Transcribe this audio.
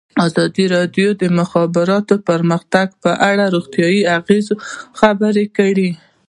ازادي راډیو د د مخابراتو پرمختګ په اړه د روغتیایي اغېزو خبره کړې.